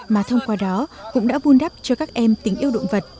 mà thông qua đó cũng đã vun đắp cho các em tình yêu động vật